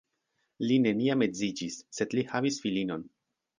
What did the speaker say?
Li neniam edziĝis, sed li havis filinon.